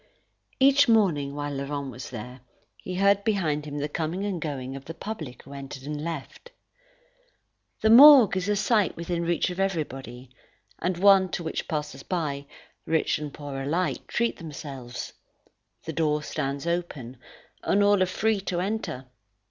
Each morning, while Laurent was there, he heard behind him the coming and going of the public who entered and left. The morgue is a sight within reach of everybody, and one to which passers by, rich and poor alike, treat themselves. The door stands open, and all are free to enter.